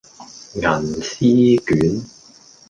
銀絲卷